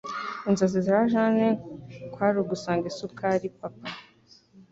Inzozi za Jane kwari ugusanga isukari papa.